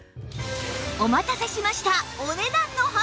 お待たせしました！